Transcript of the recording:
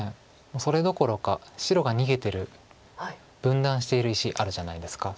それどころか白が逃げてる分断している石あるじゃないですか。